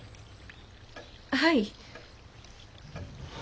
はい。